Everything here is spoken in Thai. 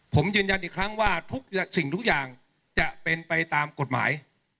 ผมยืนยันอีกครั้งว่าทุกสิ่งทุกอย่างจะเป็นไปตามกฎหมาย